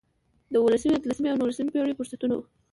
دا د اولسمې، اتلسمې او نولسمې پېړیو فرصتونه وو.